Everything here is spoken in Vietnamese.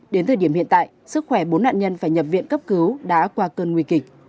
đến thời điểm hiện tại sức khỏe bốn nạn nhân phải nhập viện cấp cứu đã qua cơn nguy kịch